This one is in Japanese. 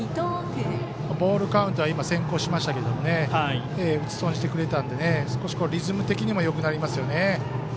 ボールカウントは先行しましたけど打ち損じてくれたのでリズム的にもよくなりますよね。